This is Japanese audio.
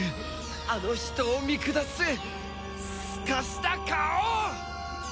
あの人を見下すすかした顔！